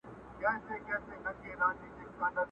مُلا وايی قبلیږي دي دُعا په کرنتین کي،،!